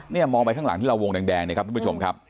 มองไปข้างหลังที่เราวงแดงเนี่ยครับทุกผู้ชมครับ